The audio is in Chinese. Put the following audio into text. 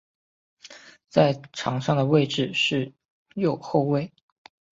在场上的位置是右后卫。